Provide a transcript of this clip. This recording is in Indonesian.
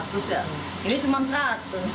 tidak ada orang